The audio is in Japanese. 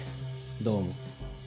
どうも。